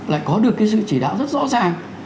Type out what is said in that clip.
lại có được cái sự chỉ đạo rất rõ ràng